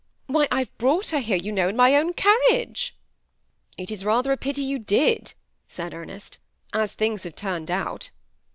Why^ I brought her here, you know, in my own carriage." ,'^ It is rather a pity you did," said Ernest, ^ as things have turned out."